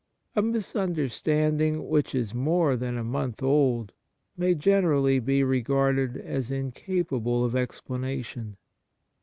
A mis understanding which is more than a month old may generally be regarded as incap able of explanation.